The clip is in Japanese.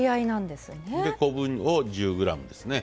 で昆布を１０ｇですね。